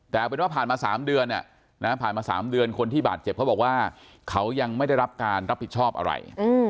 แต่เอาเป็นว่าผ่านมา๓เดือนผ่านมา๓เดือนคนที่บาดเจ็บเขาบอกว่าเขายังไม่ได้รับการรับผิดชอบอะไร